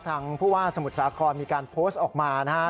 ทางผู้ว่าสมุทรสาครมีการโพสต์ออกมานะฮะ